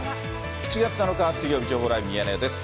７月７日水曜日、情報ライブミヤネ屋です。